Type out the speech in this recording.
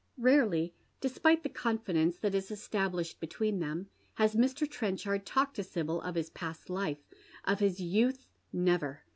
Rarely, despite the confidence that is established between them, has Mr. Trenchard talked to Sibyl of his past life, of his youth never.